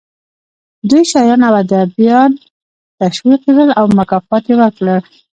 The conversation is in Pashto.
دوی شاعران او ادیبان تشویق کړل او مکافات یې ورکړل